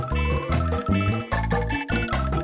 kamu mau nyari demi apa